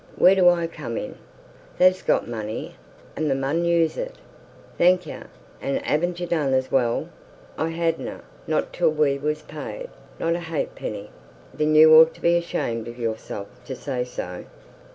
Wheer do I come in?" "Tha's got money, an' tha mun use it." "Thank yer. An' 'aven't you none, as well?" "I hadna, not till we was paid, not a ha'p'ny." "Then you ought to be ashamed of yourself to say so."